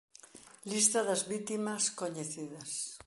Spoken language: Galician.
Lista das vítimas coñecidas.